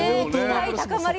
期待高まります。